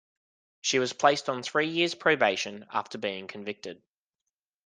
She was placed on three years' probation after being convicted.